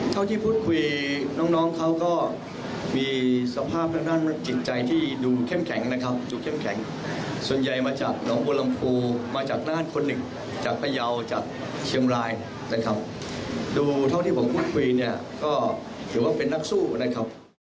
เท่าที่พูดคุยน้องน้องเขาก็มีสภาพทางด้านจิตใจที่ดูเข้มแข็งนะครับดูเข้มแข็งส่วนใหญ่มาจากหนองบัวลำพูมาจากด้านคนหนึ่งจากพยาวจากเชียงรายนะครับดูเท่าที่ผมพูดคุยเนี่ยก็ถือว่าเป็นนักสู้นะครับ